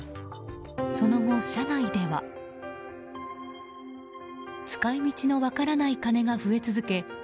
その後、社内では使い道の分からない金が増え続け